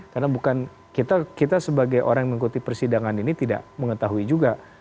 karena bukan kita sebagai orang yang mengikuti persidangan ini tidak mengetahui juga